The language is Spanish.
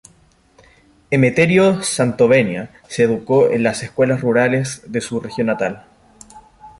Emeterio Santovenia se educó en las escuelas rurales de su región natal.